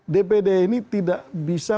dpd ini tidak bisa